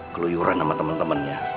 keluyuran sama temen temennya